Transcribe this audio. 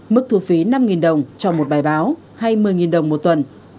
mức thu phí năm đồng cho một bài báo hay một mươi đồng một tuần